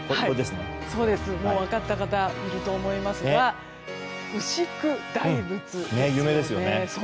もう分かった方もいると思いますが牛久大仏です。